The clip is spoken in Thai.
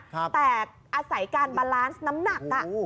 แต่อาศัยการบาลานซ์น้ำหนัก